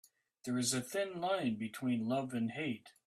There is a thin line between love and hate.